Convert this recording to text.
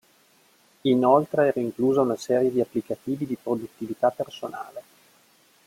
Inoltre era inclusa una serie di applicativi di produttività personale.